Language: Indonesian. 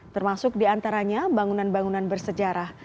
termasuk di antaranya bangunan bangunan bersejarah